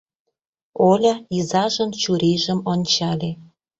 — Оля изажын чурийжым ончале.